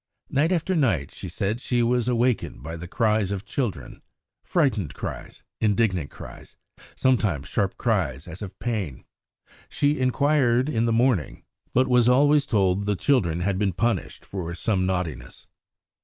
Night after night she said she was wakened by the cries of children frightened cries, indignant cries, sometimes sharp cries as of pain. She inquired in the morning, but was always told the children had been punished for some naughtiness.